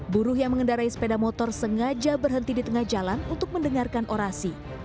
buruh yang mengendarai sepeda motor sengaja berhenti di tengah jalan untuk mendengarkan orasi